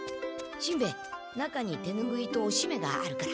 しんべヱ中に手ぬぐいとおしめがあるから。